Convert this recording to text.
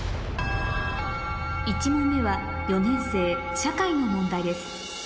１問目は４年生社会の問題です